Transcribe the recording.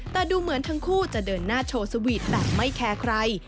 แต่ดูเหมือนทั้งคู่จะเดินหน้าโชว์สวีทแบบไม่แคร์ใคร